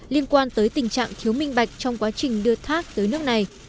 liên quan tới tình trạng thiếu minh bạch trong quá trình đưa thác tới nước này